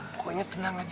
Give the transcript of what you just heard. pokoknya tenang aja